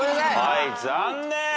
はい残念。